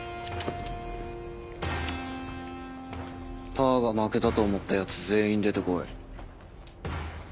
パーが負けたと思ったやつ全員出てこい。